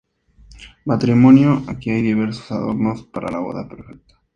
Matrimonio: Aquí hay diversos adornos para la boda perfecta.